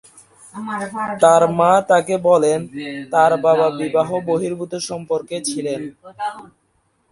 তাঁর মা তাকে বলেন তাঁর বাবা বিবাহ-বহির্ভূত সম্পর্কে ছিলেন।